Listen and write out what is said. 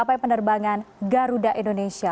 bisa untuk menerbangan garuda indonesia